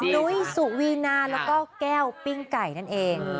นุ้ยสุวีนาแล้วก็แก้วปิ้งไก่นั่นเอง